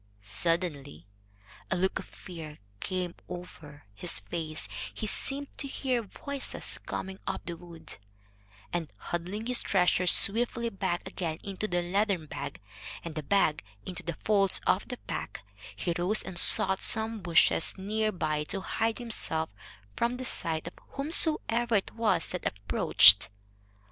Suddenly a look of fear came over his face; he seemed to hear voices coming up the wood, and, huddling his treasure swiftly back again into the leathern bag, and the bag into the folds of his pack, he rose and sought some bushes near by to hide himself from the sight of whomsoever it was that approached.